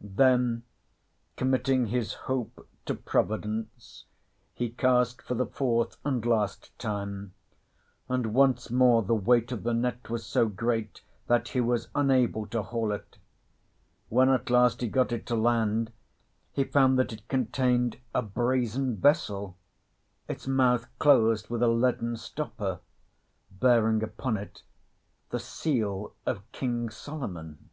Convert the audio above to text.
Then, committing his hope to Providence, he cast for the fourth and last time; and once more the weight of the net was so great that he was unable to haul it. When at last he got it to land, he found that it contained a brazen vessel, its mouth closed with a leaden stopper, bearing upon it the seal of King Solomon.